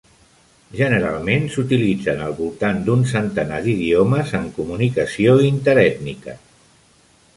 Generalment s'utilitzen al voltant d'un centenar d'idiomes en comunicació interètnica.